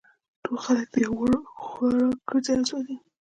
ټول خلک د یوه اور خوراک ګرځي او سوزي